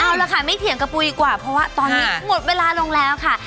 เอาละค่ะไม่เถียงกระปุ๋ยกว่าเพราะว่าตอนนี้หมดเวลาลงแล้วค่ะ